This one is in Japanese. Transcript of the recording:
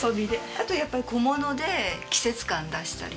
あとはやっぱり小物で季節感出したりとか。